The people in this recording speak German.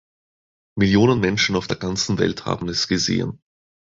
Millionen Menschen auf der ganzen Welt haben es gesehen.